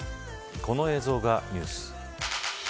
この映像がニュース。